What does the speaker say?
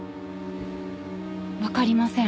わかりません